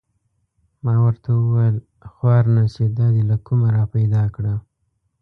ما ورته و ویل: خوار نه شې دا دې له کومه را پیدا کړه؟